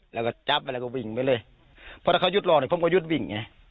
แล้วก็จับไปแล้วก็วิ่งไปเลยเพราะถ้าเขายุทธ์รองหน่อยผมก็ยุทธ์วิ่งไง